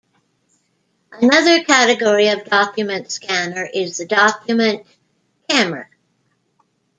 Another category of document scanner is the document camera.